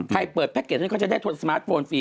ใครเปิดแพ็กเกจนี้ก็จะได้สมาร์ทโฟนฟรี